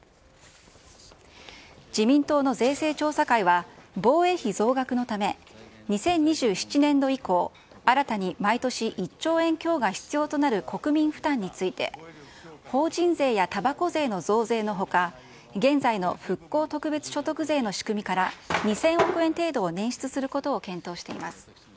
自民党の税制調査会は、防衛費増額のため、２０２７年度以降、新たに毎年１兆円強が必要となる国民負担について、法人税やたばこ税の増税のほか、現在の復興特別所得税の仕組みから、２０００億円程度を捻出することを検討しています。